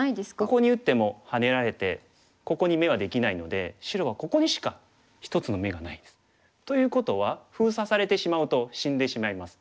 ここに打ってもハネられてここに眼はできないので白はここにしか１つの眼がないんです。ということは封鎖されてしまうと死んでしまいます。